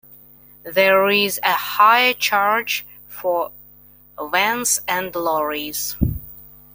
There is a higher charge for vans and lorries.